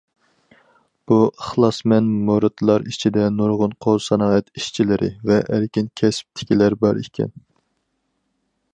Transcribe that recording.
بۇ ئىخلاسمەن مۇرىتلار ئىچىدە نۇرغۇن قول سانائەت ئىشچىلىرى ۋە ئەركىن كەسىپتىكىلەر بار ئىكەن.